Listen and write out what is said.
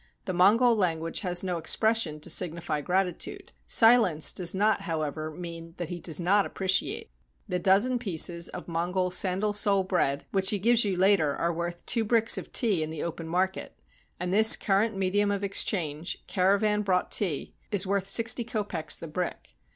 The Mongol language has no expression to signify gratitude. Silence does not, however, mean that he does not ap preciate. The dozen pieces of Mongol sand^ sole bread which he gives you later are worth two bricks of tea in open market, and this current medium of exchange — caravan brought tea — is worth sixty kopecks the brick.